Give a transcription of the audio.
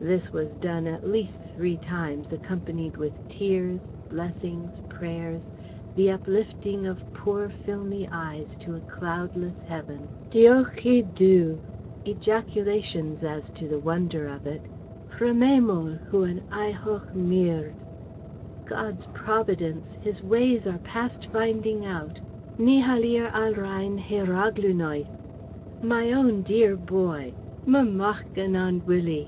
This was done at least three times, accompanied with tears, blessings, prayers, the uplifting of poor filmy eyes to a cloudless Heaven "Diolch i Dduw!" ejaculations as to the wonder of it "Rhyfeddol yw yn eiholl ffyrdd" God's Providence His ways are past finding out! "Ni ellir olrain ei Ragluniaeth!" "My own dear boy! Fy machgen annwyli!"